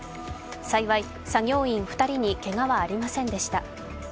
幸い作業員２人にけがはありませんでした。